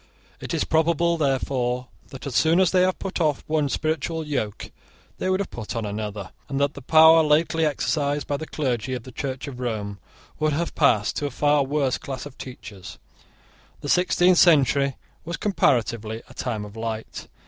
It is probable therefore, that, as soon as they had put off one spiritual yoke, they would have put on another, and that the power lately exercised by the clergy of the Church of Rome would have passed to a far worse class of teachers. The sixteenth century was comparatively a time of light.